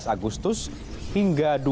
tujuh belas agustus hingga